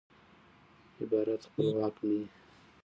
عبارت خپلواک نه يي.